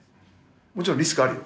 もちろんリスクあるよ。